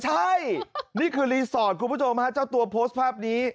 ใช่นี่คือรีสอร์ทคุณผู้ชมฮะเจ้าตัวโพสต์ภาพนี้